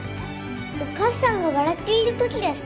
お母さんが笑っているときです。